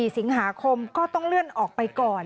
๔สิงหาคมก็ต้องเลื่อนออกไปก่อน